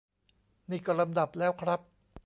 นี่ก็ลำดับแล้วครับ